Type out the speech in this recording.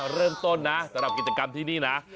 เริ่มต้นนะสำหรับกิจกรรมที่นี่นะ